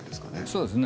そうですね。